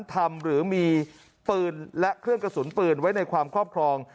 หรือมีปืนและเครื่องกระสุนปืนไว้ในความครอบครอง